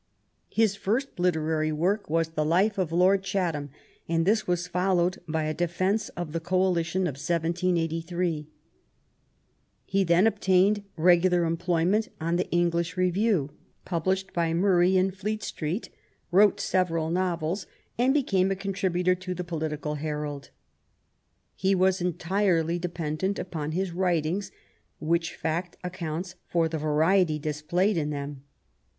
His first literary work was the Life of Lord Chatham^ and this was followed by a defence of the Coalition of 1783. He then obtained regular employment on the English Review, published by Murray in Fleet Street, wrote several novels, and became a contributor to the Political Herald. He was entirely dependent upon his writings, which fact accounts for the variety displayed in them.